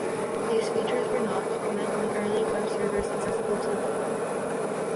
These features were not common on early web servers accessible to the public.